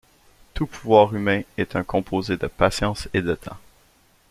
Tout pouvoir humain est un composé de patience et de temps.